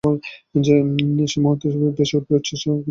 যে মুহুর্তে ভেসে উঠবে, উচ্ছ্বাস আর কৃতিত্বের একটা চমত্কার অনুভূতি।